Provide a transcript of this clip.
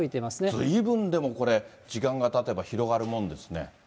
ずいぶんでも時間がたてば広がるもんですね。